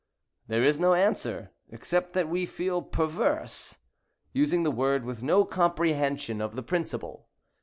There is no answer, except that we feel perverse, using the word with no comprehension of the principle.